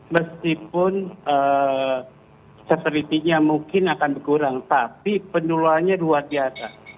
meskipun severity nya mungkin akan berkurang tapi penularannya luar biasa